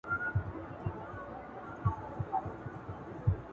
• هغه ځان په بېلابېلو ښځينه نومونو کي ويني تل بيا,